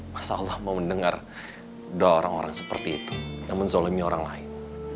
masa allah ma mendengar doa orang orang seperti itu yang menzolemi orang lain